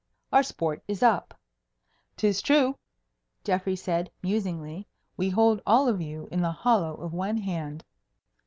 Our sport is up." "'Tis true," Geoffrey said, musingly, "we hold all of you in the hollow of one hand."